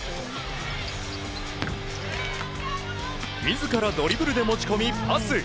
自らドリブルで持ち込みパス。